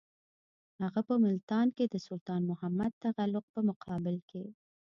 هغه په ملتان کې د سلطان محمد تغلق په مقابل کې.